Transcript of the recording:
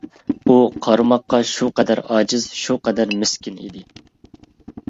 ئۇ قارىماققا شۇ قەدەر ئاجىز، شۇ قەدەر مىسكىن ئىدى.